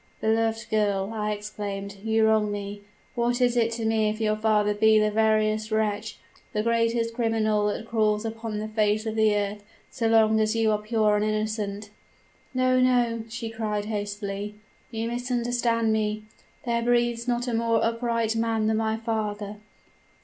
"'Beloved girl,' I exclaimed, 'you wrong me! What is it to me if your father be the veriest wretch, the greatest criminal that crawls upon the face of the earth, so long as you are pure and innocent?'" "'No, no,' she cried hastily, 'you misunderstand me. There breathes not a more upright man than my father.'